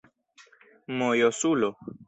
mojosulo